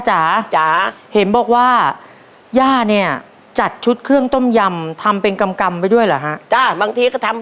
จ๋าเหมาะว่าอย่าเนี่ยตัดชุดเครื่องต้มยำทำเป็นกำไปด้วยเราบางทีต้อง